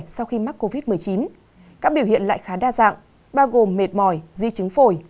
sau khi mắc covid một mươi chín các biểu hiện lại khá đa dạng bao gồm mệt mỏi di chứng phổi